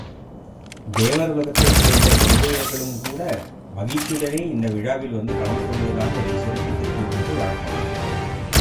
தேவருலகத்தைச் சேர்ந்த விஞ்சையர்களும்கூட மகிழ்ச்சியுடனே இந்த விழாவில் வந்து கலந்து கொள்வதாக இதைச் சிறப்பித்துக் கூறுவது வழக்கம்.